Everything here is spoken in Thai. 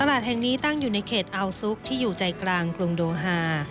ตลาดแห่งนี้ตั้งอยู่ในเขตอัลซุกที่อยู่ใจกลางกรุงโดฮา